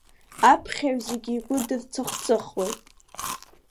Аԥхьаҩ зегь игәы дырцыхцыхуеит…